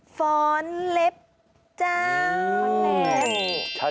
ฟ้อนเล็บเจ้าเล็บ